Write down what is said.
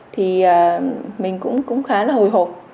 thì mình cũng khá là hồi hộp